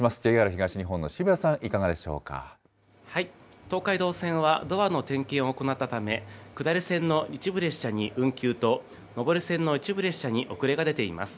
ＪＲ東日本東海道線はドアの点検を行ったため、下り線の一部列車に運休と上り線の一部列車に遅れが出ています。